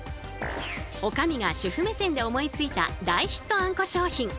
女将が主婦目線で思いついた大ヒットあんこ商品。